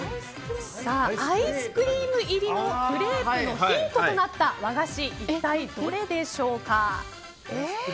アイスクリーム入りのクレープのヒントとなった和菓子、一体どれでしょうか。